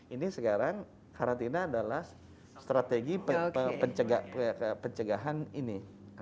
ini sekarang karantina adalah strategi pencegahan ini